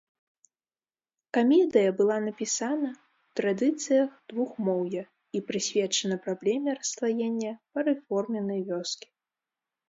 Камедыя была напісана ў традыцыях двухмоўя і прысвечана праблеме расслаення парэформеннай вёскі.